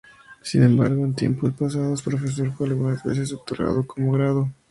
Sin embargo, en tiempos pasados, Profesor fue algunas veces otorgado como grado.